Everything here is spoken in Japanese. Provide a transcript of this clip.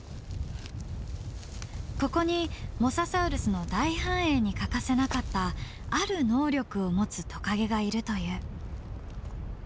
ここにモササウルスの大繁栄に欠かせなかったある能力を持つトカゲがいるという。